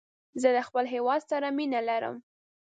زه له خپل هېواد سره مینه لرم.